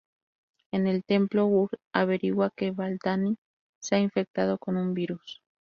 En el templo, Urd averigua que Belldandy se ha infectado con un virus.